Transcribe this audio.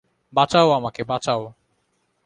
বাঁচাও আমাকে, বাঁচাও।